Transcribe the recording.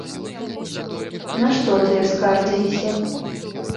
На што тыя скардзіліся?